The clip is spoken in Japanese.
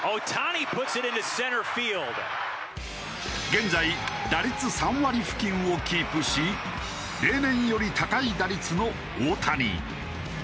現在打率３割付近をキープし例年より高い打率の大谷。